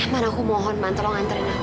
man aku mohon man tolong antarkan aku